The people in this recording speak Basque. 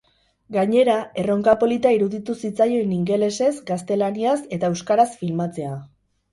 Gainera, erronka polita iruditu zitzaion ingelesez, gaztelaniaz eta euskaraz filmatzea.